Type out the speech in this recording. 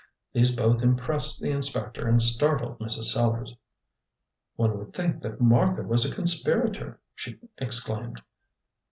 These both impressed the inspector and startled Mrs. Sellars. "One would think that Martha was a conspirator," she exclaimed.